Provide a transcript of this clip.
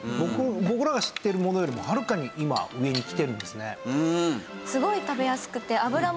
僕らが知ってるものよりもはるかに今上にきてるんですね。